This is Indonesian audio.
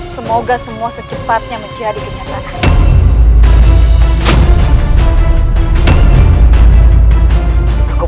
semoga semua secepatnya menjadi kenyataan